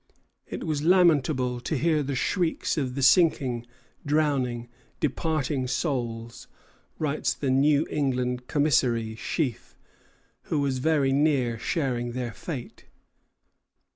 "It was lamentable to hear the shrieks of the sinking, drowning, departing souls," writes the New England commissary, Sheaf, who was very near sharing their fate.